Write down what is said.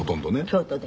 京都で？